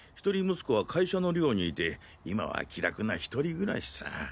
息子は会社の寮にいて今は気楽な１人暮らしさ。